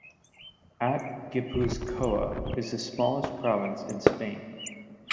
At Gipuzkoa is the smallest province in Spain.